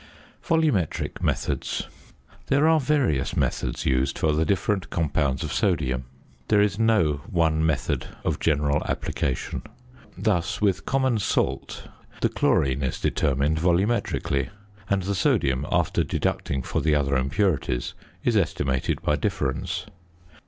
VOLUMETRIC METHODS. There are various methods used for the different compounds of sodium. There is no one method of general application. Thus with "common salt" the chlorine is determined volumetrically; and the sodium, after deducting for the other impurities, is estimated by difference.